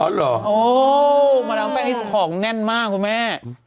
อ๋อเหรอโอ้มาดำแป้งนี่ผองแน่นมากครับแม่